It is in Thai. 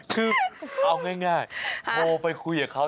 คือเอาง่ายโทรไปคุยกับเขา